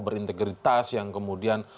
berintegritas yang kemudian